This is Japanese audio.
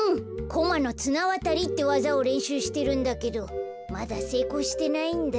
コマのつなわたりってわざをれんしゅうしてるんだけどまだせいこうしてないんだ。